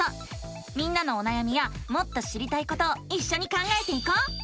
みんなのおなやみやもっと知りたいことをいっしょに考えていこう！